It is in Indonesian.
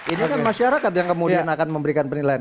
ini kan masyarakat yang kemudian akan memberikan penilaian